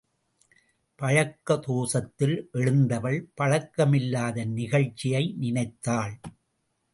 பழக்க தோசத்தில் எழுந்தவள் பழக்கமில்லாத நிகழ்ச்சியை நினைத்தாள்.